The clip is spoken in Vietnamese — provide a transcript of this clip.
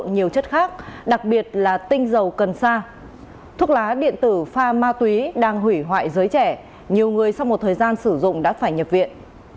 nhiều người sau một thời gian sử dụng đã phải nhập viện